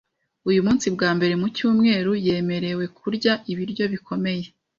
Uyu munsi, bwa mbere mu cyumweru, yemerewe kurya ibiryo bikomeye.